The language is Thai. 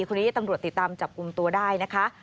คนนี้ตำรวจติดตามจับกลุ่มตัวได้นะคะ